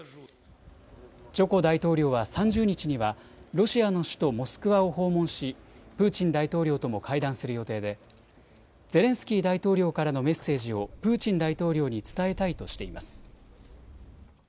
ジョコ大統領は３０日にはロシアの首都モスクワを訪問しプーチン大統領とも会談する予定でゼレンスキー大統領からのメッセージをプーチン大統領に伝えたいとしています。